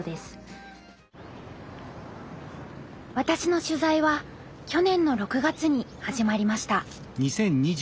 私の取材は去年の６月に始まりました。